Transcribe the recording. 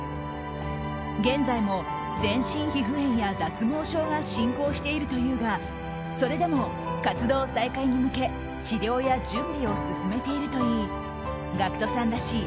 現在も、全身皮膚炎や脱毛症が進行しているというがそれでも活動再開に向け治療や準備を進めているといいＧＡＣＫＴさんらしい